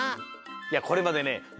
いやこれまでね